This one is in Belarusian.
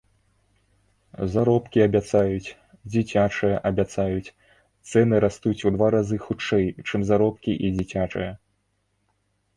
Заробкі абяцаюць, дзіцячыя абяцаюць, цэны растуць у два разы хутчэй, чым заробкі і дзіцячыя.